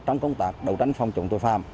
trong công tác đấu tranh phòng chủng tội phạm